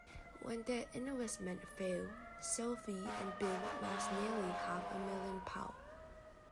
When their investments failed, Sophie and Bill lost nearly half a million pounds